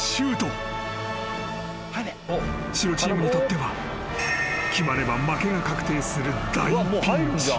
［白チームにとっては決まれば負けが確定する大ピンチ］